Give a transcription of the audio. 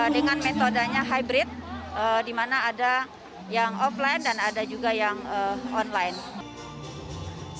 dengan metodenya hybrid di mana ada yang offline dan ada juga yang online